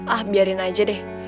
ah biarin aja deh